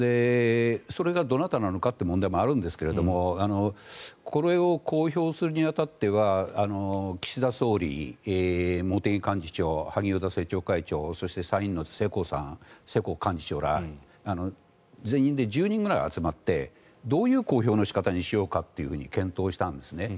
それがどなたなのかって問題もあるんですがこれを公表するに当たっては岸田総理茂木幹事長、萩生田政調会長そして、参院の世耕幹事長ら全員で１０人ぐらい集まってどういう公表の仕方にしようかと検討したんですね。